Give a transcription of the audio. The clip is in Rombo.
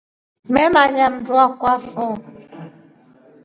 Mwemanya mndu akuafo.